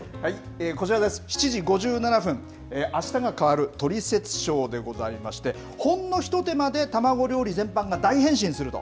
こちらです、７時５７分あしたが変わるトリセツショーでございましてほんのひと手間で卵料理全般が大変身すると。